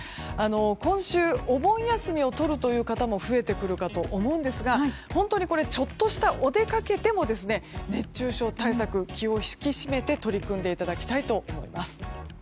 今週、お盆休みをとるという方も増えてくるかと思うんですがちょっとしたお出かけでも熱中症対策、気を引き締めて取り組んでいただきたいと思います。